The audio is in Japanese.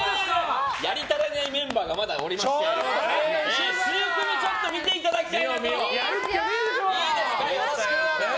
やり足りないメンバーがまだおりましてちょっと見ていただきたいなと。